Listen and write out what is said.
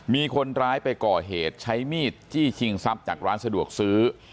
มีคนร้ายไปก่อเหตุใช้มีดจี้ชิงทรัพย์จากร้านสะดวกซื้อ